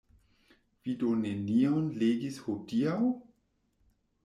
Vi do nenion legis hodiaŭ?